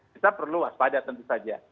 kita perlu waspada tentu saja